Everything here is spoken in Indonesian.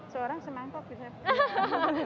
seorang semantop bisa